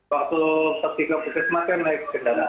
waktu ketika berkesempatan naik kendaraan